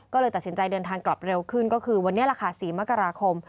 ก็เลยตัดสินใจเดินทางกลับเร็วขึ้นก็คือวันนี้แหละค่ะ๔มกราคม